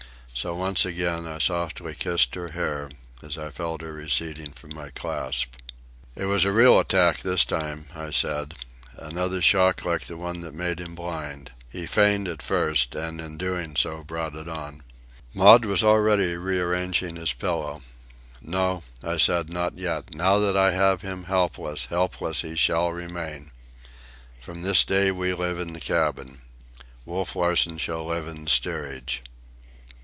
So once again I softly kissed her hair as I felt her receding from my clasp. "It was a real attack this time," I said: "another shock like the one that made him blind. He feigned at first, and in doing so brought it on." Maud was already rearranging his pillow. "No," I said, "not yet. Now that I have him helpless, helpless he shall remain. From this day we live in the cabin. Wolf Larsen shall live in the steerage."